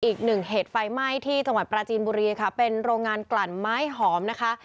อีก๑เหตุไฟไม้ที่ประจีนบุรีนะคะเป็นโรงงานกลั่นไม้หมานะคะ